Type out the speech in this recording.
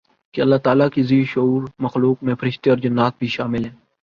کہ اللہ تعالیٰ کی ذی شعور مخلوقات میں فرشتے اورجنات بھی شامل ہیں